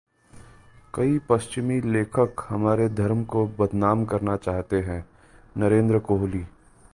कई पश्चिमी लेखक हमारे धर्म को बदनाम करना चाहते हैंः नरेंद्र कोहली